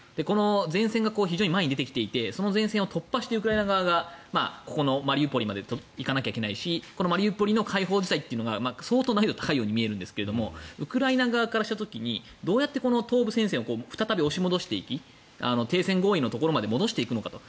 前線が非常に前に出てきていてその前線を突破してウクライナ側がここのマリウポリまで行かなきゃいけないしこのマリウポリの解放自体というのが相当難易度が高いように見えるんですがウクライナ側からしたらどうやって東部戦線を再び押し戻していき停戦合意のところまで戻していくのかと。